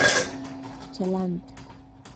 چلند